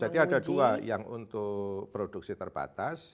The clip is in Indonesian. jadi ada dua yang untuk produksi terbatas